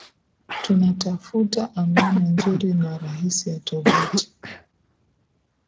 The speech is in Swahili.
tunatafuta anuani nzuri na rahisi ya tovuti